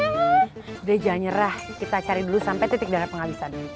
udah jangan nyerah kita cari dulu sampai titik dana penghabisan